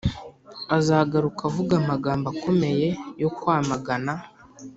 Azagaruka avuga amagambo akomeye yo kwamagana